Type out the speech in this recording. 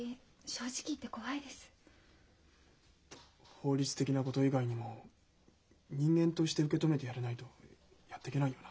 法律的なこと以外にも人間として受け止めてやれないとやってけないよな。